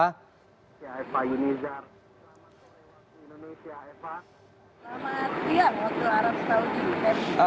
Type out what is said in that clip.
selamat sore waktu indonesia eva